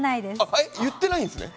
え言ってないんですね！